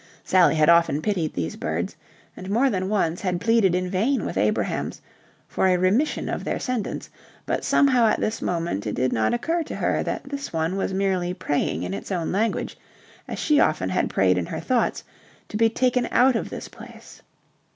Sally had often pitied these birds, and more than once had pleaded in vain with Abrahams for a remission of their sentence, but somehow at this moment it did not occur to her that this one was merely praying in its own language, as she often had prayed in her thoughts, to be taken out of this place.